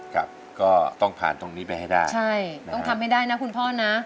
ครับก็ต้องผ่านตรงนี้ไปให้ได้ใช่ต้องทำให้ได้นะคุณพ่อนะ